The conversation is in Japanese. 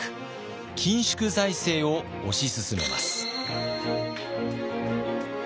緊縮財政を推し進めます。